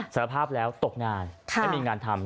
สารภาพแล้วตกงานไม่มีงานทำ